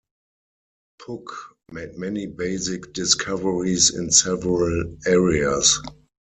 Puck made many basic discoveries in several areas.